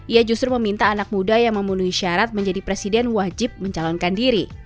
ia justru meminta anak muda yang memenuhi syarat menjadi presiden wajib mencalonkan diri